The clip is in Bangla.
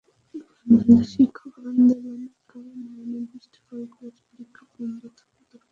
এখন যদি শিক্ষক আন্দোলনের কারণে অনির্দিষ্টকাল ক্লাস-পরীক্ষা বন্ধ থাকে, তাহলে সেশনজট অবধারিত।